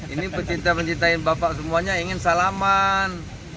ini pencinta pencintain bapak semuanya ingin salaman